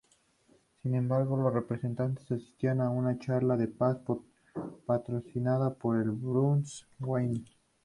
Sin embargo, los representantes asisten a una charla de paz patrocinada por Bruce Wayne.